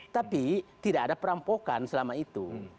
tapi tidak ada perampokan selama itu